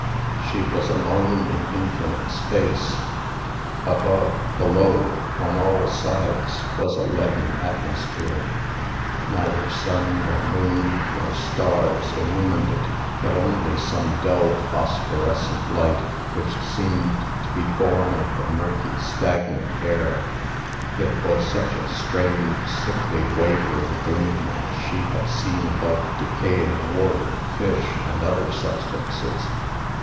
She was alone in infinite space. Above, below, on all sides, was a leaden atmosphere. Neither sun, nor moon, nor stars illumined it, but only some dull, phosphorescent light, which seemed to be born of the murky, stagnant air. It was such a strange, sickly, wavering gleam as she had seen above decaying wood, fish, and other substances.